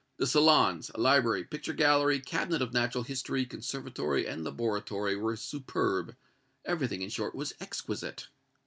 The salons, library, picture gallery, cabinet of natural history, conservatory, and laboratory were superb everything, in short, was exquisite."